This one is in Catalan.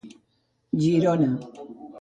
Girona.